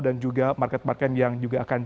dan juga market market yang juga akan